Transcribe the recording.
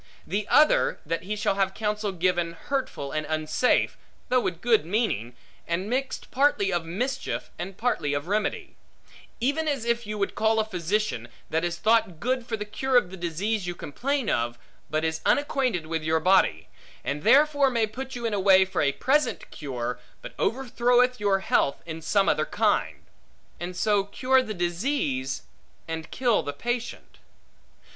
The other, that he shall have counsel given, hurtful and unsafe (though with good meaning), and mixed partly of mischief and partly of remedy; even as if you would call a physician, that is thought good for the cure of the disease you complain of, but is unacquainted with your body; and therefore may put you in way for a present cure, but overthroweth your health in some other kind; and so cure the disease, and kill the patient.